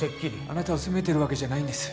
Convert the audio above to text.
あなたを責めてるわけじゃないんです。